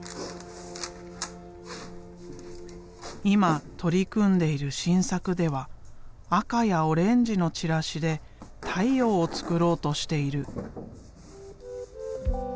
今取り組んでいる新作では赤やオレンジのチラシで太陽を作ろうとしている。